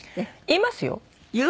言いますよ。